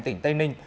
tỉnh tây ninh